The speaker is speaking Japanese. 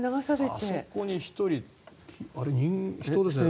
あそこに１人あれ、人ですかね。